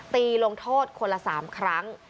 ลงโทษคนละ๓ครั้ง